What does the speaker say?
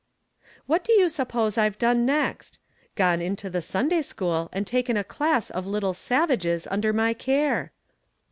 What do you suppose I've done next ? Gone into the Sunday school and taken a class of little savages under my care